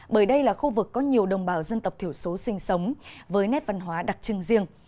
bởi đây là khu vực có nhiều đồng bào dân tộc thiểu số sinh sống với nét văn hóa đặc trưng riêng